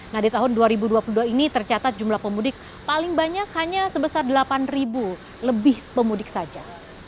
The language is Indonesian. nah di tahun dua ribu dua puluh dua ini tercatat jumlah pemudik paling banyak hanya sebesar delapan lebih pemudik saja